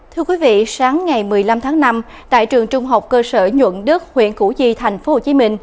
thưa quý vị sáng ngày một mươi năm tháng năm tại trường trung học cơ sở nhuận đức huyện củ chi tp hcm